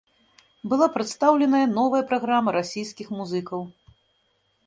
Была прадстаўленая новая праграма расійскіх музыкаў.